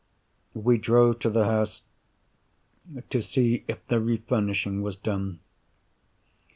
We drove to the house to see if the refurnishing was done.